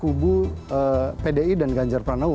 kubu pdi dan ganjar pranowo